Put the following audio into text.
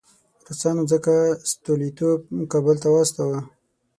روسانو ځکه ستولیتوف کابل ته واستاوه.